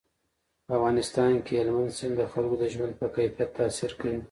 په افغانستان کې هلمند سیند د خلکو د ژوند په کیفیت تاثیر کوي.